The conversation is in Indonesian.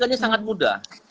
itu sangat mudah